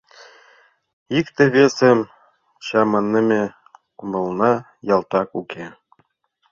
Икте-весым чаманыме кумылна ялтак уке.